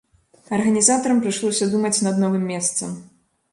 Арганізатарам прыйшлося думаць над новым месцам.